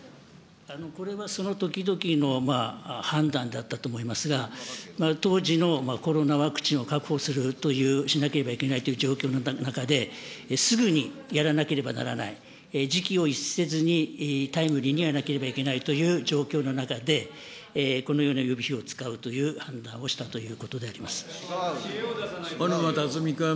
これはその時々の判断だったと思いますが、当時のコロナワクチンを確保するという、しなければいけないという状況の中で、すぐにやらなければならない、時機を逸せずにタイムリーにやらなければいけないという状況の中で、このような予備費を使うというような判断をしたということで小沼巧君。